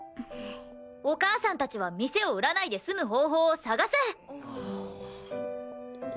お母さんたちは店を売らないで済む方法を探す！